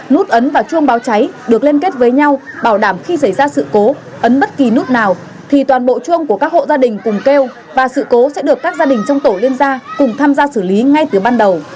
nút ấn và chuông báo cháy được liên kết với nhau bảo đảm khi xảy ra sự cố ấn bất kỳ nút nào thì toàn bộ chuông của các hộ gia đình cùng kêu và sự cố sẽ được các gia đình trong tổ liên gia cùng tham gia xử lý ngay từ ban đầu